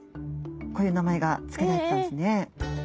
こういう名前が付けられていたんですね。